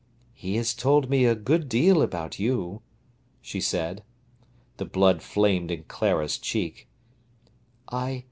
"He has told me a good deal about you," she said. The blood flamed in Clara's cheek.